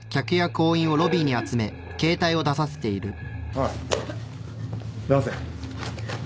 おい出せ。